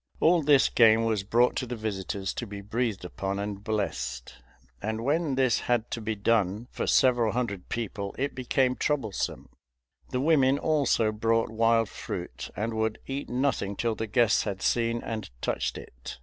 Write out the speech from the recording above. All this game was brought to the visitors to be breathed upon and blessed, and when this had to be done for several hundred people it became troublesome. The women also brought wild fruit, and would eat nothing till the guests had seen and touched it.